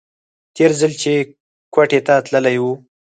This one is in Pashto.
تېر ځل چې کوټې ته تللى و.